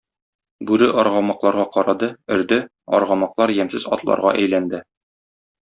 Бүре аргамакларга карады, өрде, аргамаклар ямьсез атларга әйләнде.